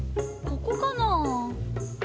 ここかなぁ？